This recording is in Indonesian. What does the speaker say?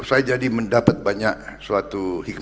saya jadi mendapat banyak suatu hikmah